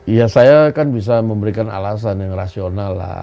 iya saya kan bisa memberikan alasan yang rasional lah